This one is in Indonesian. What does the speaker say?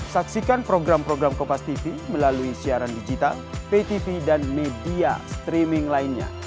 saksikan program program kompastv melalui siaran digital ptv dan media streaming lainnya